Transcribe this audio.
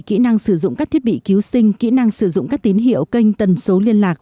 kỹ năng sử dụng các thiết bị cứu sinh kỹ năng sử dụng các tín hiệu kênh tần số liên lạc